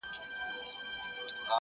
• شكر چي ښكلا يې خوښــه ســوېده،